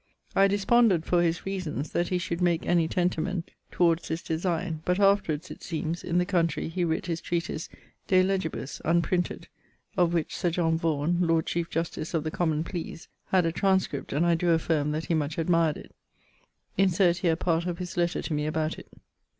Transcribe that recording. I desponded, for his reasons, that he should make any tentamen towards this designe; but afterwards, it seemes, in the countrey he writt his treatise _De Legibus_[FU] (unprinted) of which Sir John Vaughan, Lord Chiefe Justice of the Common Pleas, had a transcript, and I doe affirme that he much admired it. Insert here part of his lettre to me about it.